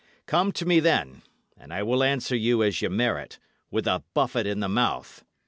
Come to me then, and I will answer you as ye merit, with a buffet in the mouth.